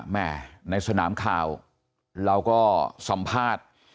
แม่ในสนามข่าวเราก็สัมภาษณ์